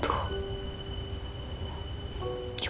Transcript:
di rumah it